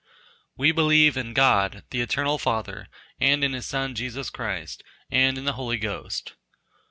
We believe in God the Eternal Father, and in his son Jesus Christ, and in the Holy Ghost.